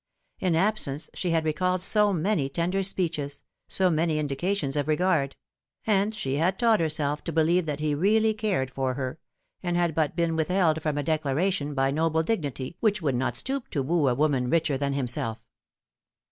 In absence she had recalled so many tender speeches, so many indications of regard ; and she had taught herself to believe tbat he really cared for her, and had but been withheld from a declaration by a noble dignity which would not stoop to woo a woman richer than himself.